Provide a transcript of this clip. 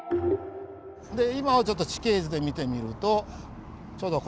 で今を地形図で見てみるとちょうどここ。